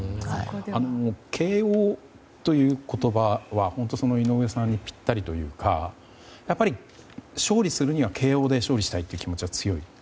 ＫＯという言葉は、本当に井上さんにぴったりというかやっぱり、勝利するにはＫＯで勝利したいという気持ちは強い？